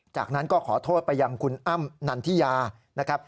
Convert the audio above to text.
จากนั้นก็ขอโทษไปยังคุณอ้ำนันทิยานะครับ